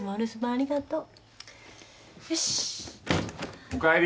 ありがとう。